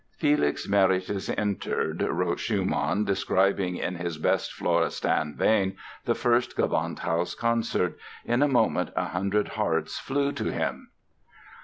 "Felix Meritis entered", wrote Schumann describing in his best Florestan vein the first Gewandhaus concert. "In a moment a hundred hearts flew to him!"